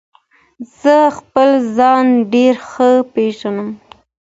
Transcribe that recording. زه خپل ځان ډیر ښه پیژنم.